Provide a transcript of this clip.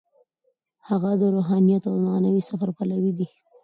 هغه د روحانیت او معنوي سفر پلوی دی.